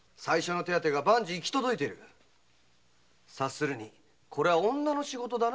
察するにこれは女の仕事だな？